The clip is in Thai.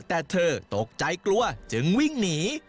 แต่เธอตกใจกลัวจึงวิ่งหนี